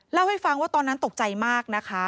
เล่าให้ฟังว่าตอนนั้นตกใจมากนะคะ